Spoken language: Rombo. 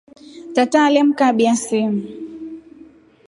Tata alemkabya simu.